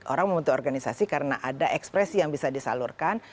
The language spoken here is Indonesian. orang membentuk organisasi karena ada ekspresi yang bisa disalurkan